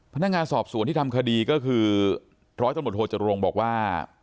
พนักงานสอบสวนที่ทำคดีก็คือร้อยตำรวจโทจรุงบอกว่า